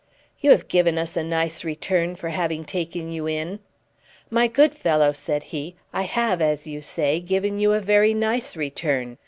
"You have given us a nice return for having taken you in." "My good fellow," said he, "I have, as you say, given you a very nice return.